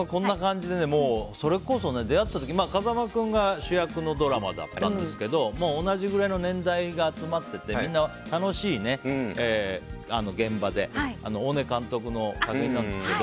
出会った時は風間君が主役のドラマだったんですが同じぐらいの年代が集まっててみんな楽しい現場で大根監督の作品なんですけど。